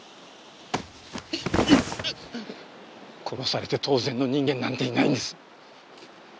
殺されて当然の人間なんていないんです。